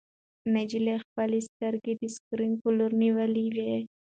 نجلۍ خپلې کوچنۍ سترګې د سکرین په لور نیولې وې.